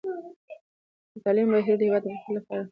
د تعلیم بهیر د هېواد د پرمختګ لپاره وده ورکوي.